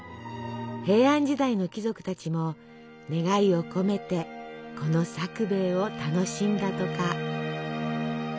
平安時代の貴族たちも願いを込めてこのさくべいを楽しんだとか。